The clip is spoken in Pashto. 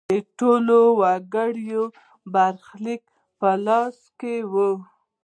د ټولو وګړو برخلیک په لاس کې و.